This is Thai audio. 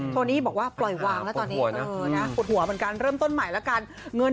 โทนี่บอกว่าปล่อยวางแล้วตอนนี้